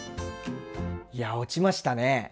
いや落ちましたね。